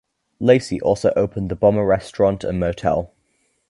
Lacey also opened the Bomber Restaurant and motel.